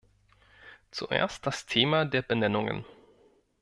Zuerst das Thema der Benennungen.